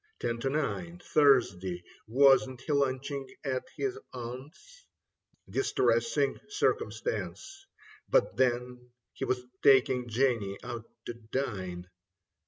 Ten to nine. Thursday. Wasn't he lunching at his aunt's ? Distressing circumstance. But then he was taking Jenny out to dine.